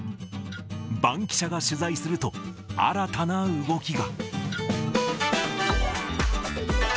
バンキシャが取材すると、新たな動きが。